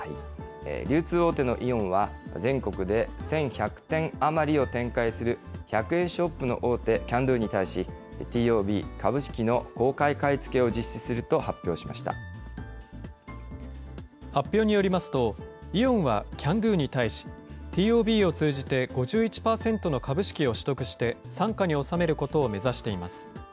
流通大手のイオンは、全国で１１００店余りを展開する１００円ショップの大手、キャンドゥに対し、ＴＯＢ・株式の公開買い付けを実施すると発表しまし発表によりますと、イオンはキャンドゥに対し、ＴＯＢを通じて５１％の株式を取得して、傘下に収めることを目指しています。